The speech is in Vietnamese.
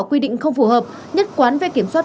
quy định không phù hợp nhất quán về kiểm soát